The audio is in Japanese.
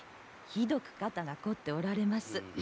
ひどく肩が凝っておられます。